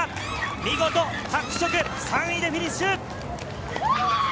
見事、拓殖、３位でフィニッシュ。